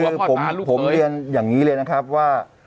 คือผมเรียนอย่างนี้เลยนะครับว่า